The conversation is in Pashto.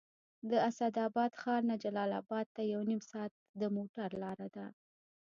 د اسداباد ښار نه جلال اباد ته یو نیم ساعت د موټر لاره ده